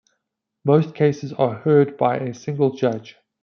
Most cases are heard by a single judge.